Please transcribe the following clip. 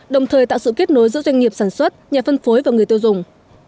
đồng thời tạo sự kết nối giữa doanh nghiệp sản xuất nhà phân phối và người tiêu dùng